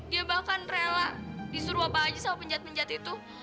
dia bahkan rela disuruh apa aja sama penjat penjat itu